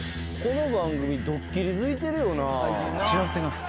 この番組ドッキリづいてるよな。